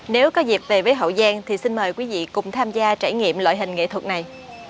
nếu có dịp về với hậu giang thì xin mời quý vị cùng tham gia trải nghiệm loại hình nghệ thuật này